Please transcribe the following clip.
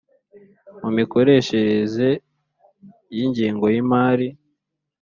Mu mikoreshereze y ingengo y imari